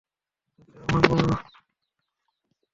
তাকে আর মারবো না।